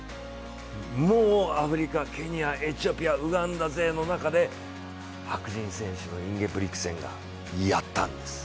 もう、アフリカ、ケニアエチオピアウガンダ勢の中で、白人選手のインゲブリクセンがやったんです。